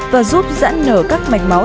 và giúp giãn nở các mạch máu